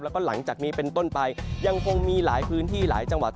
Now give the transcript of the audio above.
แล้วก็หลังจากนี้เป็นต้นไปยังคงมีหลายพื้นที่หลายจังหวัด